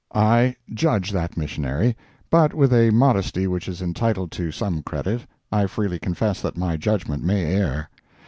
I judge that missionary, but, with a modesty which is entitled to some credit, I freely confess that my judgment may err.